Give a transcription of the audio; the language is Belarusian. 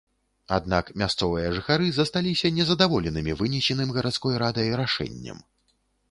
Аднак мясцовыя жыхары засталіся незадаволенымі вынесеным гарадской радай рашэннем.